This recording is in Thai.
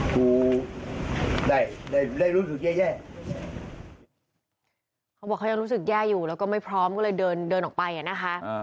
คุณสมบัติว่าเขายังรู้สึกแย่อยู่แล้วก็ไม่พร้อมก็เลยเดินออกไปนะคะ